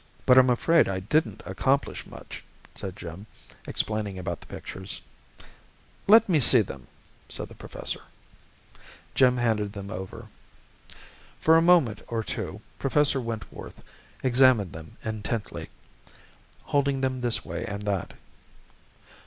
"But I'm afraid I didn't accomplish much," said Jim, explaining about the pictures. "Let me see them," said the professor. Jim handed them over. For a moment or two Professor Wentworth examined them intently, holding them this way and that.